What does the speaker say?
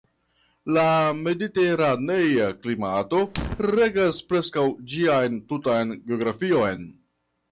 La mediteranea klimato regas preskaŭ ĝian tutan geografion.